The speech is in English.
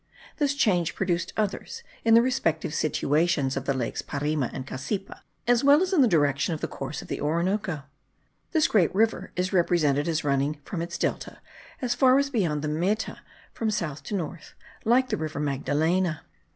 This change produced others in the respective situations of the lakes Parima and Cassipa, as well as in the direction of the course of the Orinoco. This great river is represented as running from its delta as far as beyond the Meta, from south to north, like the river Magdalena.